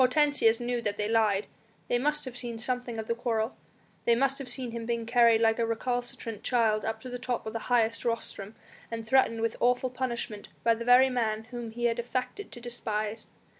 Hortensius knew that they lied, they must have seen something of the quarrel; they must have seen him being carried like a recalcitrant child up to the top of the highest rostrum, and threatened with awful punishment by the very man whom he had affected to despise.